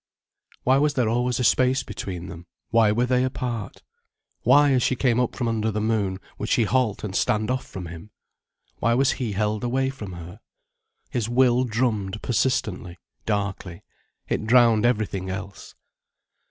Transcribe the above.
Why was there always a space between them, why were they apart? Why, as she came up from under the moon, would she halt and stand off from him? Why was he held away from her? His will drummed persistently, darkly, it drowned everything else.